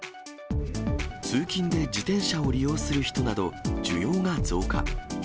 通勤で自転車を利用する人など、需要が増加。